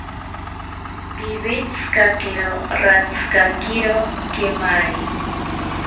Piwetzikakiro ratzikakiro kemari